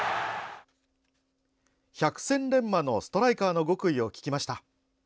百戦錬磨のストライカーの極意を聞きました。